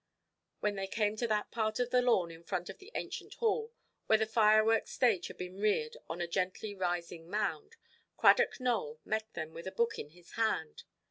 When they came to that part of the lawn in front of the ancient Hall where the fireworks' stage had been reared on a gently–rising mound, Cradock Nowell met them, with a book in his hand.